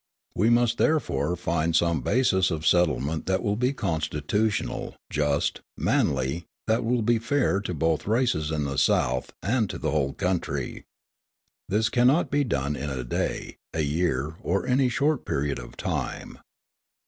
We must therefore find some basis of settlement that will be constitutional, just, manly, that will be fair to both races in the South and to the whole country. This cannot be done in a day, a year, or any short period of time.